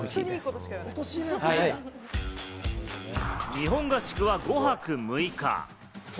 日本合宿は５泊６日。